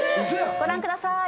ご覧ください。